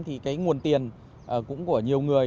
thì cái nguồn tiền cũng của nhiều người